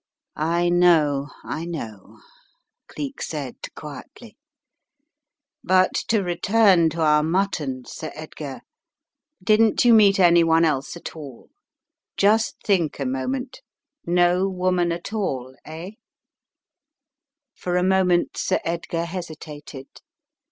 "I know, I know," Cleek said, quietly. "But to return to our muttons, Sir Edgar. Didn't you meet any one else at all? Just think a moment. No woman at all — eh?" For a moment Sir Edgar hesitated.